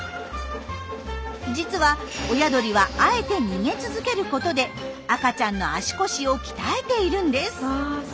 実は親鳥はあえて逃げ続けることで赤ちゃんの足腰を鍛えているんです。